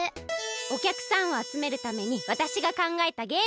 おきゃくさんをあつめるためにわたしがかんがえたゲーム。